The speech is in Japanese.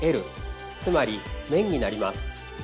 つまり面になります。